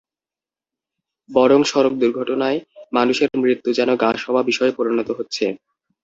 বরং সড়ক দুর্ঘটনায় মানুষের মৃত্যু যেন গা সওয়া বিষয়ে পরিণত হচ্ছে।